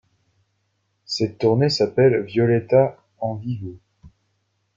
Cette tournée s'appelle Violetta en vivo.